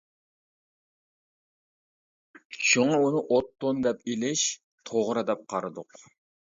شۇڭا ئۇنى ئوت تون دەپ ئېلىش توغرا دەپ قارىدۇق.